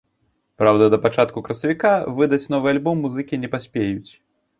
Праўда, да пачатку красавіка выдаць новы альбом музыкі не паспеюць.